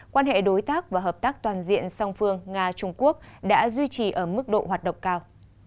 quan hệ đối tác và hợp tác toàn diện song phương nga trung quốc đã duy trì ở mức độ hoạt động cao